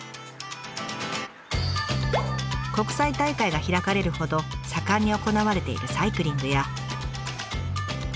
国際大会が開かれるほど盛んに行われているサイクリングや。